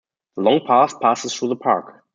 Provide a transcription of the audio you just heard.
The Long Path passes through the park.